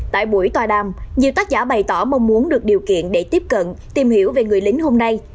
tại buổi tòa đàm nhiều tác giả bày tỏ mong muốn được điều kiện để tiếp cận tìm hiểu về người lính hôm nay